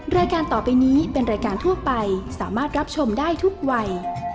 รายการต่อไปนี้เป็นรายการทั่วไปสามารถรับชมได้ทุกวัย